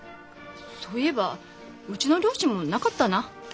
そういえばうちの両親もなかったな。